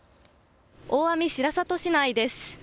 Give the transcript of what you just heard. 大網白里市内です。